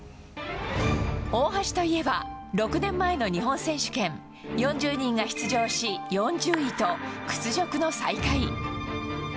大橋といえば６年前の日本選手権４０人が出場し、４０位と屈辱の最下位。